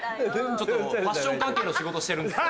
ちょっとファッション関係の仕事してるんですよ。